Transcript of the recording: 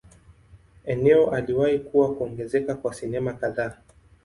Eneo aliwahi kuwa kuongezeka kwa sinema kadhaa.